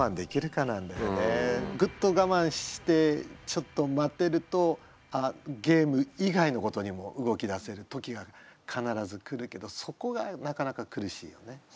グッと我慢してちょっと待てるとゲーム以外のことにも動きだせる時が必ず来るけどそこがなかなか苦しいよね。